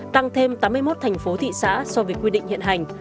tăng thêm tám mươi một thành phố thị xã so với quy định hiện hành